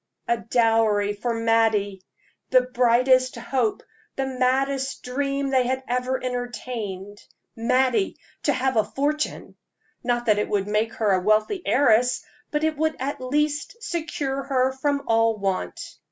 "A dowry for Mattie!" the brightest hope, the maddest dream they had ever entertained. Mattie to have a fortune! Not that it would make her a wealthy heiress, but it would at least secure her from all want.